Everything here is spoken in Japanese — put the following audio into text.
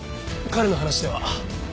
彼の話では。